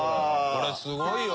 これすごいよ。